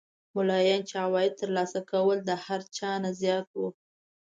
ملایانو چې عواید تر لاسه کول د هر چا نه زیات وو.